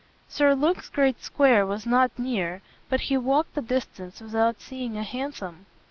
Sir Luke's great square was not near, but he walked the distance without seeing a hansom.